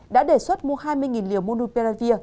đã đề xuất mua hai mươi liều monopiravir